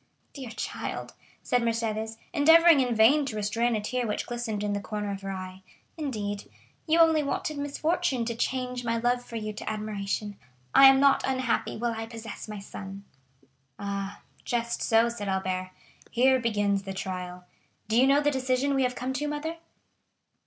"Dear child!" said Mercédès, endeavoring in vain to restrain a tear which glistened in the corner of her eye. "Indeed, you only wanted misfortune to change my love for you to admiration. I am not unhappy while I possess my son!" "Ah, just so," said Albert; "here begins the trial. Do you know the decision we have come to, mother?"